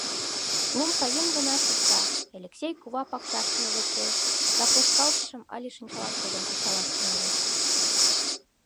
Лум каен гына шукта, Элексей кува пакчашкыже лектеш да почкалтышым але шинчаланшудым кычалаш тӱҥалеш.